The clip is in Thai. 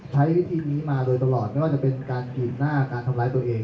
ใช้วิธีนี้มาโดยตลอดไม่ว่าจะเป็นการกรีดหน้าการทำร้ายตัวเอง